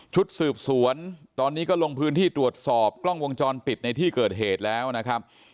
ชุดสืบสวนตอนนี้ก็ลงพื้นที่ตรวจสอบกล้องวงจรปิดในที่เกิดเหตุแล้วนะครับ